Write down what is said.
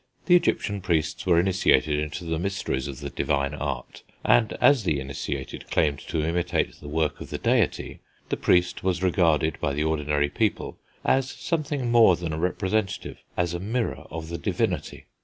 The Egyptian priests were initiated into the mysteries of the divine art: and as the initiated claimed to imitate the work of the deity, the priest was regarded by the ordinary people as something more than a representative, as a mirror, of the divinity.